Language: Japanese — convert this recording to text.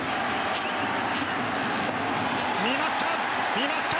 見ました。